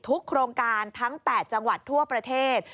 โครงการทั้ง๘จังหวัดทั่วประเทศ